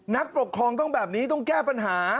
นักปกครองต้องแบบนี้ต้องแก้ปัญหา